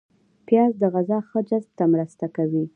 پیاز د غذا ښه جذب ته مرسته کوي